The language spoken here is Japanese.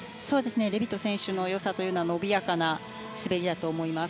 レビト選手の良さは伸びやかな滑りだと思います。